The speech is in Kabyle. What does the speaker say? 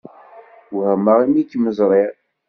Wehmeɣ imi kem-ẓṛiɣ.